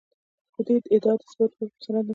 د دې ادعا د اثبات لپاره کوم سند نشته